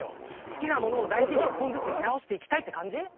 好きなものを大事に１本ずつ見直していきたいって感じ？